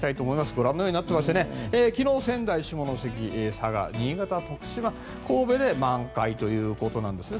ご覧のようになっていまして昨日、仙台、下関佐賀、新潟、徳島、神戸で満開ということなんですね。